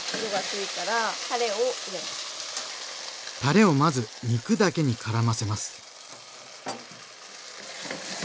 でタレをまず肉だけにからませます。